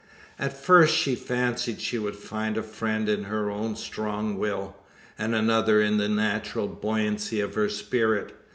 At first, she fancied she would find a friend in her own strong will; and another in the natural buoyancy of her spirit.